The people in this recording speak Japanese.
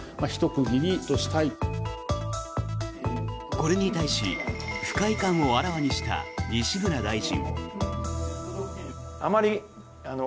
これに対し不快感をあらわにした西村大臣。